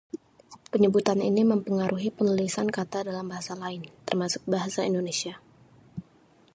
Penyebutan ini mempengaruhi penulisan kata dalam bahasa lain, termasuk bahasa Indonesia.